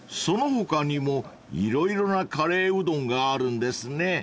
［その他にも色々なカレーうどんがあるんですね］